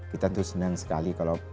kita tuh senang sekali kalau